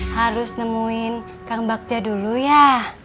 harus nemuin kang bagja dulu ya